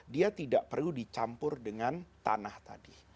dia tidak perlu dicampur dengan tanah tadi